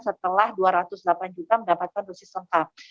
setelah dua ratus delapan juta mendapatkan dosis lengkap